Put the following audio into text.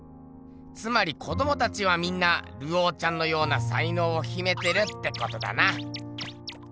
つまり子どもたちはみんなルオーちゃんのような才のうをひめてるってことだな。